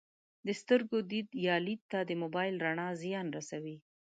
د سترګو دید یا لید ته د موبایل رڼا زیان رسوي